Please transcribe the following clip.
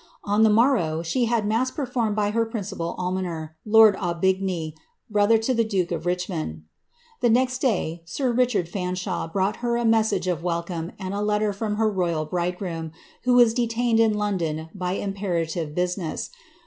On the morrow she had mass performed by her principal almoner, lord Aubigny, brother to the duke of Richmond. The next day, sir Richard Fanshawe brought her a message of wel come and a letter from her royal bridegroom, who was detained in Lon don by imperative business.